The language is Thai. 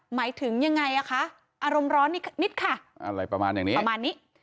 หมายถึงยังไงอ่ะคะอารมณ์ร้อนนิดค่ะอะไรประมาณอย่างนี้ประมาณนี้